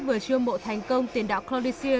vừa chưa mộ thành công tiền đạo claudicea